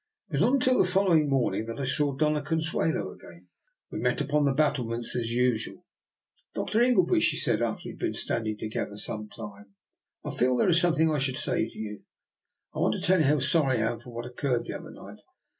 It was not until the following morning that I saw Dofia Consuelo again. We met upon the battlements as usual. " Dr. Ingleby," she said, after we had been standing together some time, " I feel there is something I should say to you. I want to tell you how sorry I am for what occurred the other night.